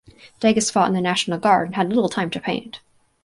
Degas fought in the National Guard and had little time to paint.